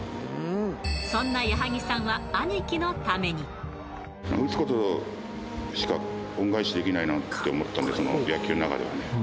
そんな矢作さんは兄貴のため打つことでしか恩返しできないなと思ったんです、野球の中で。